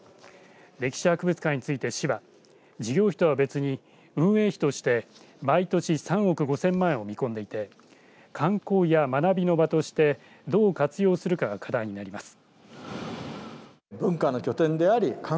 歴史博物館について市は事業費とは別に運営費として毎年３億５０００万円を見込んでいて観光や学びの場としてどう活用するかが課題になります。